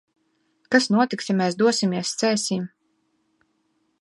Kas notiks, ja mēs dosimies Cēsīm?